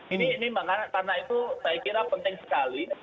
ini karena itu saya kira penting sekali